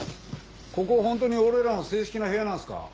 ここ本当に俺らの正式な部屋なんですか？